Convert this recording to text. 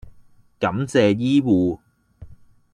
感謝醫護